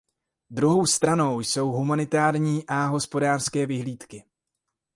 Druhou stranou jsou humanitární a hospodářské vyhlídky.